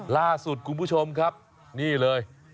ล่าสุดคุณผู้ชมครับนี่เลย